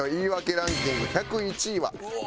ランキング１０１位は？」